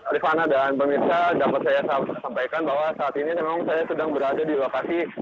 rifana dan pemirsa dapat saya sampaikan bahwa saat ini memang saya sedang berada di lokasi